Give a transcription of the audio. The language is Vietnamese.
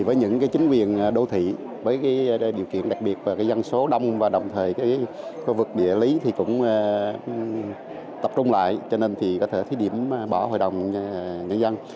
với những chính quyền đô thị với điều kiện đặc biệt và dân số đông và đồng thời khu vực địa lý thì cũng tập trung lại cho nên có thể thí điểm bỏ hội đồng nhân dân